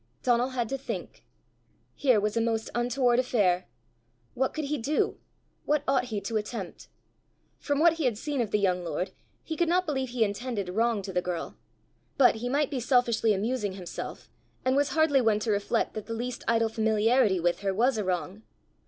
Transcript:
Donal had to think. Here was a most untoward affair! What could he do? What ought he to attempt? From what he had seen of the young lord, he could not believe he intended wrong to the girl; but he might be selfishly amusing himself, and was hardly one to reflect that the least idle familiarity with her was a wrong!